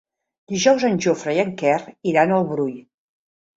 Dijous en Jofre i en Quer iran al Brull.